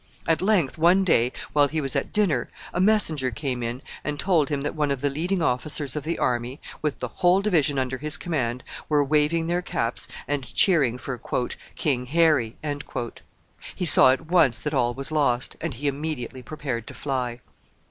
At length, one day, while he was at dinner, a messenger came in and told him that one of the leading officers of the army, with the whole division under his command, were waving their caps and cheering for "King Harry." He saw at once that all was lost, and he immediately prepared to fly.